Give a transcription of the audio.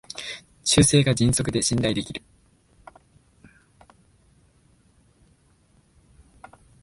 修正が迅速で信頼できる